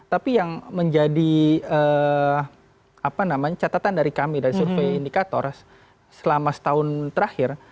tapi yang menjadi catatan dari kami dari survei indikator selama setahun terakhir